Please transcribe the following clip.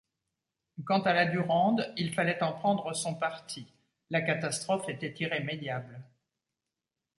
Quant à la Durande, il fallait en prendre son parti, la catastrophe était irrémédiable.